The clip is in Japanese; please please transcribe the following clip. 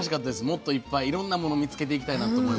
もっといっぱいいろんなもの見つけていきたいなと思いました。